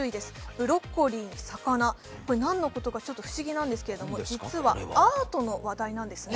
ブロッコリーに魚、何のことか不思議なんですけど実はアートの話題なんですね。